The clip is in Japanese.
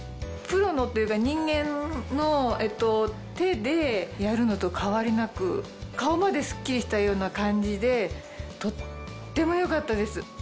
プロのっていうか人間の手でやるのと変わりなく顔までスッキリしたような感じでとっても良かったです。